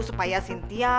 supaya sintia kembali